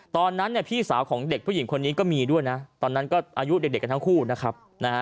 ตอนนั้นเนี่ยพี่สาวของเด็กผู้หญิงคนนี้ก็มีด้วยนะตอนนั้นก็อายุเด็กกันทั้งคู่นะครับ